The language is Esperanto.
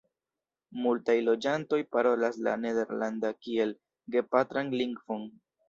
Multaj loĝantoj parolas la nederlandan kiel gepatran lingvon.